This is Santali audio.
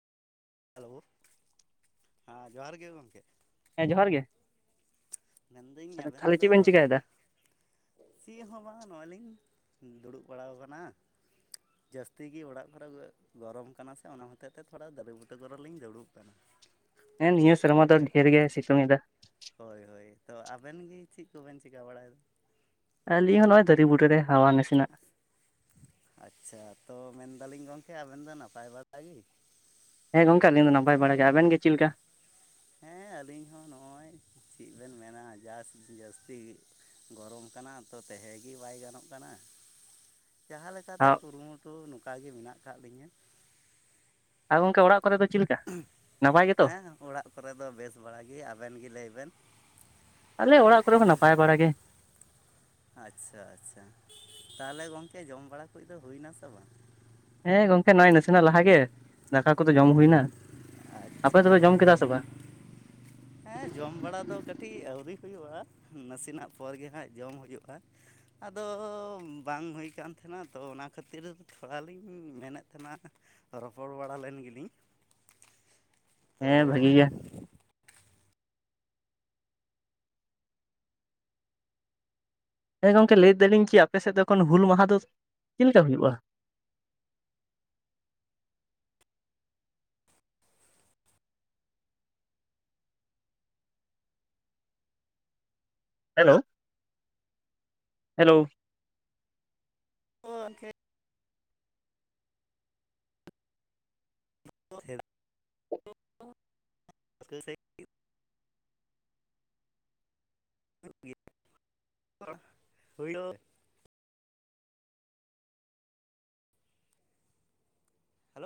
ᱦᱟᱞᱳ ᱦᱮᱸ ᱡᱚᱦᱟᱨ ᱜᱮ ᱜᱚᱝᱠᱮ ᱦᱮᱸ ᱡᱚᱦᱟᱨ ᱜᱮ ᱢᱮᱱᱫᱟᱹᱧ ᱟᱵᱮᱱ ᱛᱟᱦᱚᱞᱮ ᱪᱮᱫ ᱫᱚ ᱵᱮᱱ ᱪᱤᱠᱟᱹᱭᱮᱫᱟ? ᱥᱤ ᱦᱚᱸ ᱵᱟᱝ ᱱᱚᱜᱚᱭ ᱞᱤᱧ ᱫᱩᱲᱩᱵ ᱵᱟᱲᱟ ᱠᱟᱱᱟ ᱡᱟᱹᱥᱛᱤ ᱜᱮ ᱚᱲᱟᱜ ᱠᱚᱨᱮ ᱜᱚᱨᱚᱢ ᱠᱟᱱᱟ ᱥᱮ ᱚᱱᱟ ᱦᱚᱛᱮ ᱛᱮ ᱛᱷᱚᱲᱟ ᱫᱟᱹᱨᱮ ᱵᱩᱴᱟᱹ ᱠᱚᱨᱮ ᱞᱤᱧ ᱫᱩᱲᱩᱵ ᱠᱟᱱᱟ [inaudible] ᱦᱮᱸ ᱱᱤᱭᱟᱹ ᱥᱮᱨᱢᱟ ᱫᱚ ᱦᱮᱸᱛᱚ ᱰᱷᱮᱨ ᱜᱮ ᱥᱤᱛᱩᱝ ᱮᱫᱟ ᱦᱳᱭ ᱦᱳᱭ ᱛᱚ ᱟᱵᱮᱱ ᱜᱮ ᱪᱮᱫ ᱠᱚᱵᱮᱱ ᱪᱤᱠᱟ ᱵᱟᱲᱟᱭᱮᱫᱟ ᱟᱹᱞᱤᱧ ᱦᱚᱸ ᱱᱚᱜᱼᱚᱭ ᱫᱟᱨᱮ ᱵᱩᱴᱟᱨᱮ ᱦᱟᱣᱟ ᱱᱟᱥᱮᱱᱟᱜ ᱟᱪᱪᱷᱟ ᱛᱚ ᱢᱮᱱᱫᱟᱞᱤᱧ ᱜᱚᱢᱠᱮ ᱟᱵᱮᱱ ᱫᱚ ᱱᱟᱯᱟᱭ ᱵᱟᱲᱟ ᱜᱮ ᱦᱮᱸ ᱜᱚᱢᱠᱮ ᱟᱹᱞᱤᱧ ᱫᱚ ᱱᱟᱯᱟᱭ ᱵᱟᱲᱟᱭ ᱜᱮ᱾ ᱟᱵᱮᱱ ᱜᱮ ᱪᱮᱫ ᱞᱮᱠᱟ? ᱦᱮᱸ ᱟᱹᱞᱤᱧ ᱦᱚᱸ ᱱᱚᱜ ᱚᱭ ᱪᱮᱫ ᱵᱮᱱ ᱢᱮᱱᱟ ᱡᱟᱥ ᱡᱟᱹᱥᱛᱤ ᱜᱚᱨᱚᱢ ᱠᱟᱱᱟ ᱛᱚ ᱛᱟᱦᱮ ᱜᱮ ᱵᱟᱭ ᱜᱟᱱᱚᱜ ᱠᱟᱱᱟ ᱡᱟᱦᱟᱸ ᱞᱮᱠᱟᱛᱮ ᱠᱩᱨᱩᱢᱩᱴᱩ ᱱᱚᱝᱠᱟ ᱜᱮ ᱢᱮᱱᱟᱜ ᱟᱠᱟᱫ ᱞᱤᱧᱟ᱾ ᱟᱨ ᱜᱚᱢᱠᱮ ᱚᱲᱟᱜ ᱠᱚᱨᱮ ᱫᱚ ᱪᱮᱫ ᱞᱮᱠᱟ ᱱᱟᱯᱟᱭ ᱜᱮᱛᱚ? ᱦᱮᱸ ᱚᱲᱟᱜ ᱠᱚᱨᱮ ᱫᱚ ᱵᱮᱥ ᱵᱟᱲᱟ ᱜᱮ ᱟᱵᱮᱱ ᱜᱮ ᱞᱮᱭ ᱵᱮᱱ ᱟᱞᱮ ᱚᱲᱟᱜ ᱠᱚᱨᱮ ᱦᱚᱸ ᱱᱟᱯᱟᱭ ᱵᱟᱲᱟᱜ ᱜᱮ᱾ ᱟᱪᱪᱷᱟ ᱟᱪᱪᱷᱟ ᱛᱟᱦᱮᱞᱮ ᱜᱚᱝᱠᱮ ᱡᱚᱢ ᱵᱟᱲᱟ ᱠᱚᱡ ᱫᱚ ᱦᱩᱭᱱᱟ ᱥᱮ ᱵᱟᱝ ᱦᱮᱸ ᱜᱚᱝᱠᱮ ᱱᱚᱜᱚᱭ ᱱᱟᱥᱮᱱᱟᱜ ᱞᱟᱦᱟ ᱜᱮ ᱫᱟᱠᱟ ᱠᱚᱫᱚ ᱡᱚᱢ ᱦᱩᱭᱱᱟ᱾ ᱟᱯᱮ ᱟᱪᱪᱷᱟ ᱫᱚᱯᱮ ᱡᱚᱢ ᱠᱮᱫᱟ ᱥᱮ ᱵᱟᱝ? ᱦᱮᱸ ᱡᱚᱢ ᱵᱟᱲᱟ ᱫᱚ ᱠᱟᱹᱴᱤᱡ ᱟᱹᱣᱨᱤ ᱦᱩᱭᱩᱜᱼᱟ᱾ᱱᱟᱥᱮᱱᱟᱜ ᱯᱚᱨ ᱜᱮ ᱦᱟᱸᱜ ᱡᱚᱢ ᱦᱩᱭᱩᱜᱼᱟ ᱟᱫᱚ ᱵᱟᱝ ᱦᱩᱭ ᱠᱟᱱ ᱛᱟᱦᱮᱱᱟ ᱛᱚ ᱚᱱᱟ ᱠᱷᱟᱹᱛᱤᱨ ᱛᱷᱚᱲ ᱞᱤᱧ ᱢᱮᱱᱮᱫ ᱛᱟᱦᱮᱱᱟ ᱨᱚᱯᱚᱲ ᱵᱟᱲᱟ ᱞᱮᱱ ᱜᱮᱞᱤᱧ ᱛᱚ ᱦᱮᱸ ᱵᱷᱟᱹᱜᱤ ᱜᱮ ᱦᱮᱸ ᱜᱚᱝᱠᱮ ᱞᱮᱭ ᱫᱟᱞᱤᱧ ᱠᱤ ᱟᱯᱮ ᱥᱮᱫ ᱫᱚ ᱮᱠᱷᱚᱱ ᱦᱩᱞ ᱢᱟᱦᱟ ᱫᱚ ᱪᱮᱫ ᱞᱮᱠᱟ ᱦᱩᱭᱩᱜᱼᱟ? Hello hello [unintelligible] [unintelligible] [unintelligible]